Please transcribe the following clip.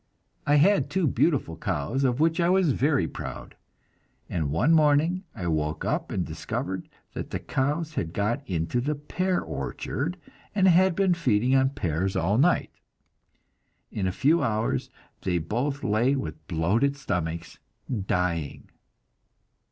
I had two beautiful cows of which I was very proud, and one morning I woke up and discovered that the cows had got into the pear orchard and had been feeding on pears all night. In a few hours they both lay with bloated stomachs, dying.